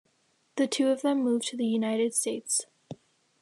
The two of them moved to the United States.